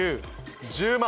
１０万！